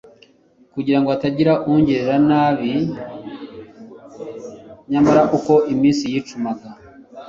kugira ngo hatagira ungirira nabi nyamara uko iminsi yicumaga